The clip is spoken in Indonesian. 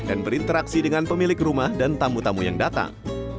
dan berinteraksi dengan pemilik rumah dan tamu tamu yang datang